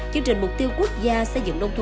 chương trình mục tiêu quốc gia xây dựng nông thôn